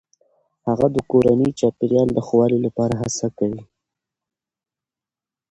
هغه د کورني چاپیریال د ښه والي لپاره هڅه کوي.